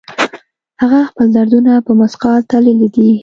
هغه خپل دردونه په مثقال تللي دي